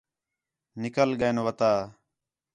نِکل ڳئین وَتا